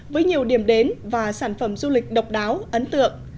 với nhiều điểm đến và sản phẩm du lịch độc đáo ấn tượng